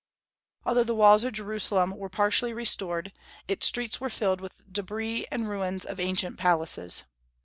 Although the walls of Jerusalem were partially restored, its streets were filled with the débris and ruins of ancient palaces.